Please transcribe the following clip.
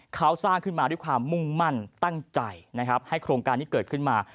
เขาสร้างขึ้นมาด้วยความมุ่งมั่นตั้งใจนะครับให้โครงการนี้เกิดขึ้นมา